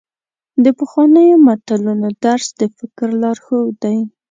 د پخوانیو متلونو درس د فکر لارښود دی.